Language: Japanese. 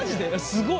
すごい。